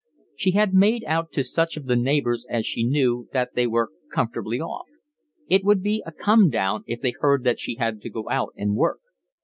She had made out to such of the neighbours as she knew that they were comfortably off: it would be a come down if they heard that she had to go out and work.